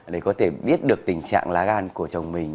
để có thể biết được tình trạng lá gan của chồng mình